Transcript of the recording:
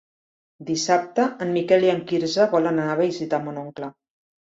Dissabte en Miquel i en Quirze volen anar a visitar mon oncle.